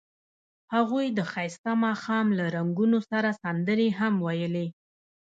هغوی د ښایسته ماښام له رنګونو سره سندرې هم ویلې.